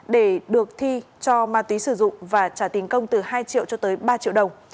để được thi cho ma túy sử dụng và trả tiền công từ hai triệu cho tới ba triệu đồng